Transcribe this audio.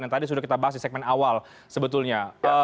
yang tadi sudah kita bahas di segmen awal sebetulnya